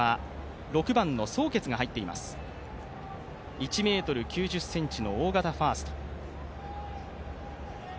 １ｍ９０ｃｍの大型ファースト、ソウ・ケツ。